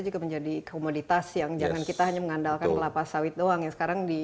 juga menjadi komoditas yang jangan kita hanya mengandalkan kelapa sawit doang yang sekarang di